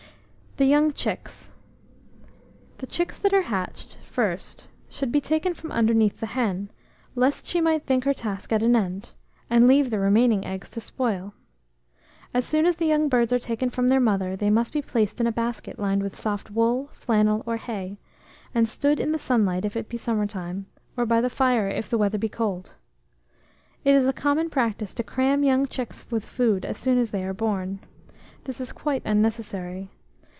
THE YOUNG CHICKS. The chicks that are hatched first should be taken from underneath the hen, lest she might think her task at an end, and leave the remaining eggs to spoil. As soon as the young birds are taken from the mother, they must be placed in a basket lined with soft wool, flannel, or hay, and stood in the sunlight if it be summer time, or by the fire if the weather be cold. It is a common practice to cram young chicks with food as soon as they are born. This is quite unnecessary.